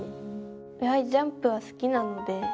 やはりジャンプは好きなので。